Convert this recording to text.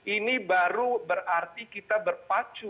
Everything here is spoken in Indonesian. ini baru berarti kita berpacu